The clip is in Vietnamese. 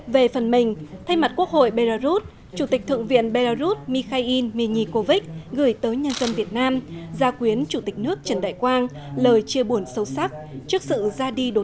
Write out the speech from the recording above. về phần mình thay mặt quốc hội belarus chủ tịch thượng viện belarus mikhail minnikovic gửi tới nhân dân việt nam gia quyến chủ tịch nước trần đại quang